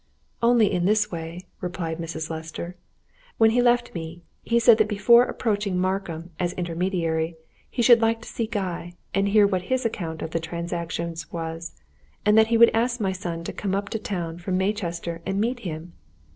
"Only in this way," replied Mrs. Lester. "When he left me, he said that before approaching Markham, as intermediary, he should like to see Guy, and hear what his account of the transactions was, and that he would ask my son to come up to town from Maychester and meet him.